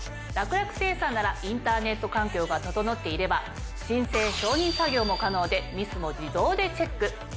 楽楽精算ならインターネット環境が整っていれば申請・承認作業も可能でミスも自動でチェック。